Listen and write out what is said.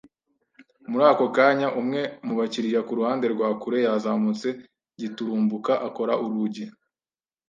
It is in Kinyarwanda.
Muri ako kanya, umwe mu bakiriya kuruhande rwa kure yazamutse giturumbuka akora urugi.